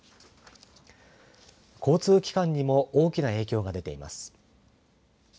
交通機関にも大きな影響が出ています。